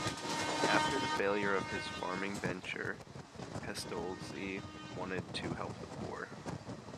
After the failure of his farming venture, Pestalozzi wanted to help the poor.